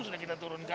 sudah kita tutup